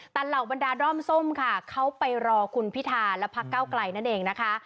แต่เหล่าบรรดาด้อมส้มค่ะเขาไปรอคุณพิธาและพักเก้าไกลนั่นเองนะคะ